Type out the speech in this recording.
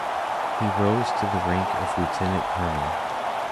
He rose to the rank of lieutenant colonel.